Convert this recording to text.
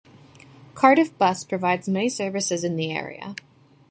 Cardiff Bus provides many services in the area.